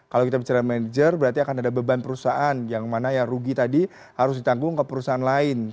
kalau kita bicara merger berarti akan ada beban perusahaan yang mana ya rugi tadi harus ditanggung ke perusahaan lain